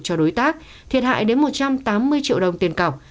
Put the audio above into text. cho đối tác thiệt hại đến một trăm tám mươi triệu đồng tiền cọc